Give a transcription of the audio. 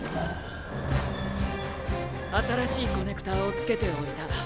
新しいコネクターを付けておいた。